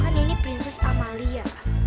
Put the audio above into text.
kan ini prinses amalia